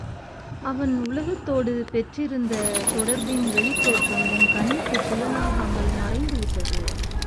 அவன் உலகத்தோடு பெற்றிருந்த தொடர்பின் வெளித் தோற்றம் என் கண்ணுக்குப் புலனாகாமல் மறைந்துவிட்டது.